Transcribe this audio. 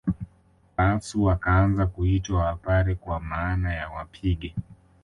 Waasu wakaanza kuitwa Wapare kwa maana ya wapige